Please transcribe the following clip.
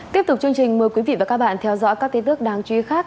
tiếp tục chương trình mời quý vị và các bạn theo dõi các tin tức đáng chú ý khác